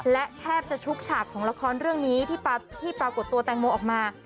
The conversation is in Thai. และแทบจะชุกฉากของละครเรื่องนี้ที่ปรากฏตัวแตงโมออกมา